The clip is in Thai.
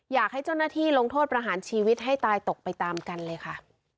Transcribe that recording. อยากให้เจ้าหน้าที่ลงโทษประหารชีวิตให้ตายตกไปตามกันเลยค่ะ